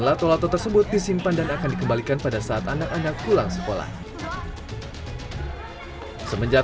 lato lato tersebut disimpan dan akan dikembalikan pada saat anak anak pulang sekolah semenjak